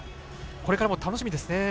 これからも楽しみですね。